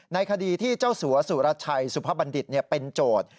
ในคดีที่เจ้าสัวสุรชัยสุภบัณฑิตเป็นโจทย์